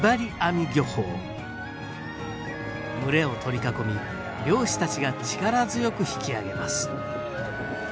群れを取り囲み漁師たちが力強く引き揚げます